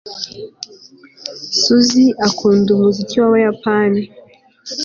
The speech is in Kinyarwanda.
susie akunda umuziki w'abayapani